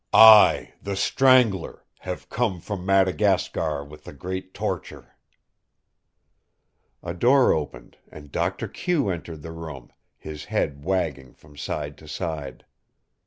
"I, the Strangler, have come from Madagascar with the Great Torture." A door opened and Doctor Q entered the room, his head wagging from side to side.